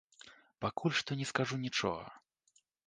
Пакуль што не скажу нічога.